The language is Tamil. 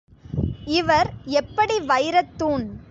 இவர் எப்படி வைரத் தூண்.